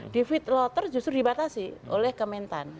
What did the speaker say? david lotter justru dibatasi oleh kementan